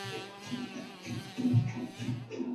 所属相扑部屋是境川部屋。